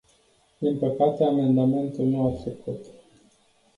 Din păcate, amendamentul nu a trecut.